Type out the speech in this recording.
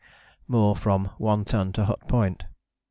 more from One Ton to Hut Point.